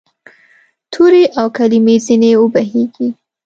تورې او کلمې ځیني وبهیږې